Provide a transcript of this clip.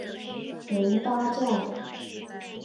蒙巴赞。